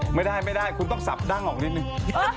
ไม่ได้ไม่ได้คุณต้องสับดั้งออกนิดนึง